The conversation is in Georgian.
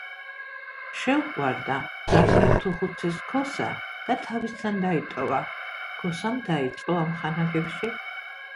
შეუყვარდა მზარეულთ-უხუცესს ქოსა და თავისთან დაიტოვა. ქოსამ დაიწყო ამხანაგებში